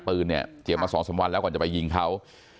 ปืนเตรียมมาสองสามวันแล้วก่อนจะไปยิงเขา